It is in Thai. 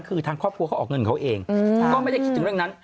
คือทางครอบครัวเขาออกเงินเขาเองก็ไม่ได้คิดถึงเรื่องนั้น